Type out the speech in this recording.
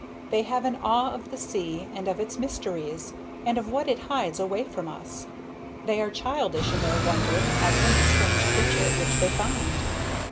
They have an awe of the sea and of its mysteries, and of what it hides away from us. They are childish in their wonder at any strange creature which they find.